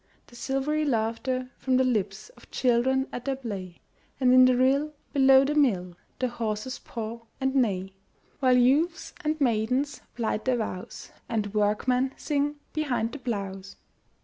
The silvery laughter from the lips Of children at their play; And in the rill below the mill The horses paw and neigh; While youths and maidens plight their vows, And workmen sing behind the plows.